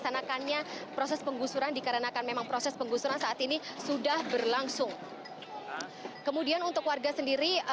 saya juga berhasil mengasumkan bahwa ini memang berupakan tindakan penggusuran